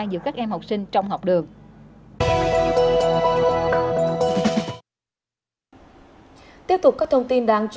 giữa các em học sinh trong học đường